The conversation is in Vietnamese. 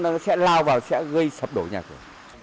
nó sẽ lao vào sẽ gây sập đổ nhà cửa